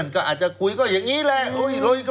ก็อาจจะคุยก็อย่างนี้แหละ